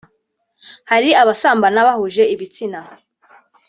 hari abasambana bahuje ibitsina